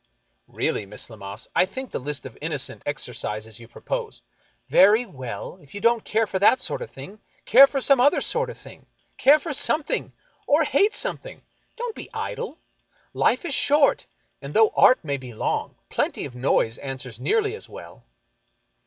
" Really, Miss Lammas, I think the list of innocent exer cises you propose "" Very well — if you don't care for that sort of thing, care for some other sort of thing. Care for something, or hate something. Don't be idle. Life is short, and though art may be long, plenty of noise answers nearly as well."